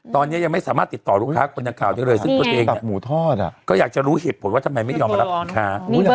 ตอนนี้ยังไม่สามารถติดต่อลูกค้าคนดังข่าวเลยซึ่งตัวเองก็อยากจะรู้เหตุผลว่าทำไมไม่ยอมรับขายค้า